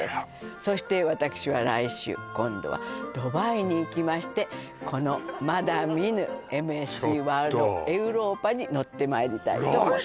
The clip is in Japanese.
そして私は来週今度はドバイに行きましてこのまだ見ぬＭＳＣワールドエウローパにちょっと乗ってまいりたいと思います